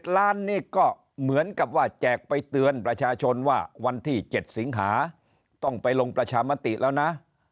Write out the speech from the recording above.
ล้านนี่ก็เหมือนกับว่าแจกไปเตือนประชาชนว่าวันที่๗สิงหาต้องไปลงประชามติแล้วนะ